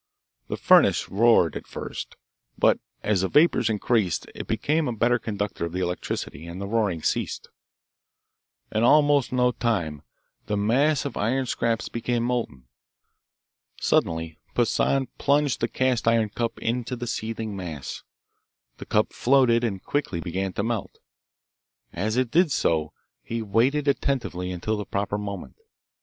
The furnace roared at first, but as the vapors increased it became a better conductor of the electricity, and the roaring ceased. In almost no time the mass of iron scraps became molten. Suddenly Poissan plunged the cast iron cup into the seething mass. The cup floated and quickly began to melt. As it did so he waited attentively until the proper moment.